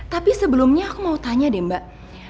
tapi sebelumnya aku mau tanya deh mbak